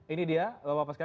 ini dia bapak paskal